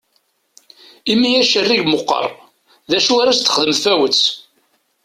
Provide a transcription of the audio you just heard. Imi acerrig meqqaṛ, d acu ar as-d-teg tfawett?